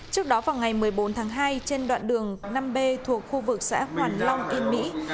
trước đó vào ngày một mươi bốn tháng hai trên đoạn đường năm b thuộc khu vực xã hoàn long yên mỹ